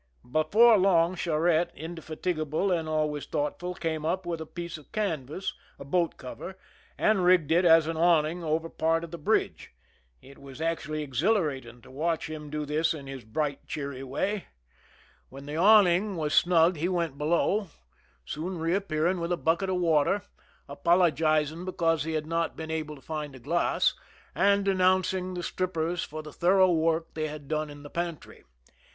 Before long Charette, indefatigable and always thoughtful, came up with a piece of canvas, a boat cover, and riggtsd it as an awning over part of the bridge. It was actually exhilarating to watch him do this in his bright, cheery way. When the awn * 67 THE SINKING OF THE '^MEERIMAC" '\ ing was snug he went below, soon reappearing with a bucket of water, apologizing because he had not been ^, able to find a glass, and denouncing the strippers | for the thorough work they had done in the pantry.